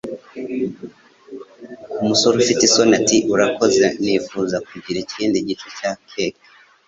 Umusore ufite isoni ati: "Urakoze, nifuza kugira ikindi gice cya keke".